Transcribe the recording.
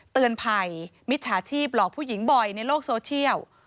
เตือนภัยมิจฉาชีพหลอกผู้หญิงบ่อยในโลกโซเชียล